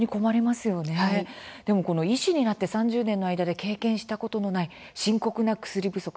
医師になって３０年の間で経験したことのない深刻な薬不足